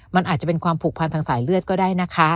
มันอาจจะเป็นความผูกพันทางสายเลือดก็ได้นะคะ